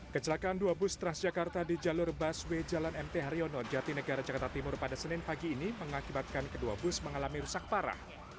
kecelakaan dua bus transjakarta di jalur busway jalan mt haryono jatinegara jakarta timur pada senin pagi ini mengakibatkan kedua bus mengalami rusak parah